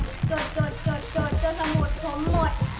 จดจดจดจดจดจดสมุทรผมหมด